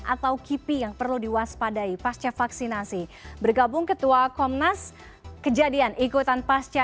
atau kipi yang perlu diwaspadai pasca vaksinasi bergabung ketua komnas kejadian ikutan pasca